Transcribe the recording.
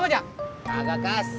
ngebayar dia dimana ajaasti sih